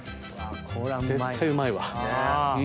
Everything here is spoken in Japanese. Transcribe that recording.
絶対うまいわ！